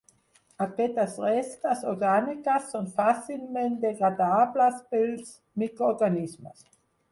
Aquestes restes orgàniques són fàcilment degradables pels microorganismes.